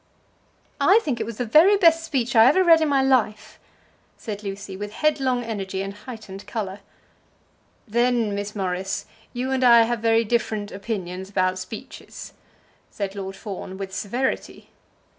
"I think it was the very best speech I ever read in my life," said Lucy, with headlong energy and heightened colour. "Then, Miss Morris, you and I have very different opinions about speeches," said Lord Fawn, with severity.